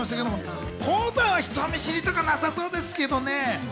ＫＯＯさんは人見知りとかなさそうですけどね。